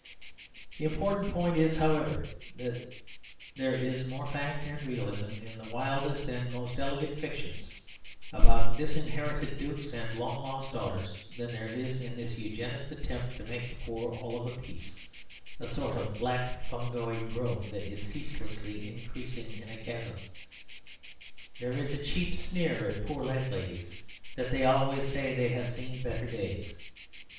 The important point is, however, that there is more fact and realism in the wildest and most elegant old fictions about disinherited dukes and long lost daughters than there is in this Eugenist attempt to make the poor all of a piece a sort of black fungoid growth that is ceaselessly increasing in a chasm. There is a cheap sneer at poor landladies: that they always say they have seen better days.